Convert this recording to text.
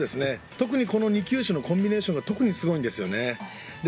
特にこの２球種のコンビネーションが特にすごいんですよね。